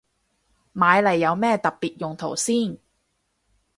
買嚟有咩特別用途先